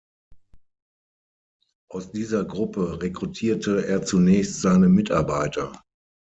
Aus dieser Gruppe rekrutierte er zunächst seine Mitarbeiter.